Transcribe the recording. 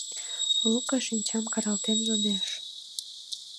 — Лука шинчам каралтен йодеш.